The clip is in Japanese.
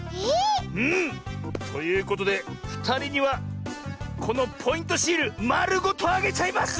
うん。ということでふたりにはこのポイントシールまるごとあげちゃいます！